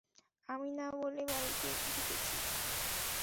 আমি না বলে বাড়িতে ঢুকেছি।